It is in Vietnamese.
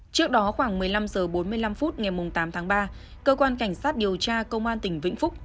trước đó khoảng một mươi năm h bốn mươi năm phút ngày tám tháng ba cơ quan cảnh sát điều tra công an tỉnh vĩnh phúc